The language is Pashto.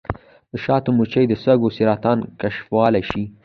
د شاتو مچۍ د سږو سرطان کشفولی شي.